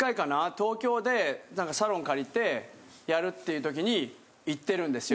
東京でサロン借りてやるっていうときに行ってるんですよ。